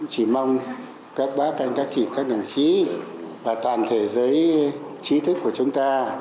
chỉ mong các bác các anh các chị các đồng chí và toàn thể giới trí thức của chúng ta